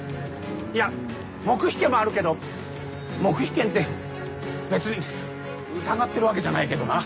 いや黙秘権もあるけど黙秘権って別に疑ってるわけじゃないけどな。